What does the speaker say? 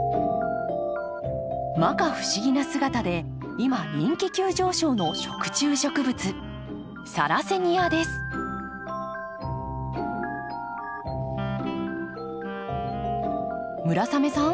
摩訶不思議な姿で今人気急上昇の村雨さん